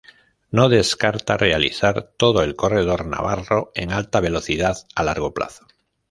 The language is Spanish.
No descarta realizar todo el Corredor Navarro en Alta Velocidad a largo plazo.